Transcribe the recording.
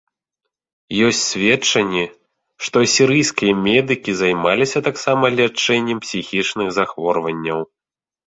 Ёсць сведчанні, што асірыйскія медыкі займаліся таксама лячэннем псіхічных захворванняў.